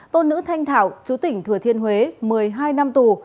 tôn nữ thanh thảo chú tỉnh thừa thiên huế một mươi hai năm tù